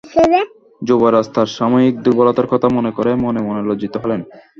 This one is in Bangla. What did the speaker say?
যুবরাজ তার সাময়িক দুর্বলতার কথা মনে করে মনে মনে লজ্জিত হলেন।